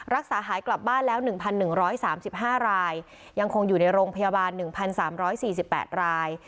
รักษาหายกลับบ้านแล้วหนึ่งพันหนึ่งร้อยสามสิบห้ารายยังคงอยู่ในโรงพยาบาลหนึ่งพันสามร้อยสี่สิบแปดราย